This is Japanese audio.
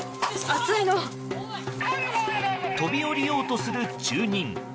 飛び降りようとする住人。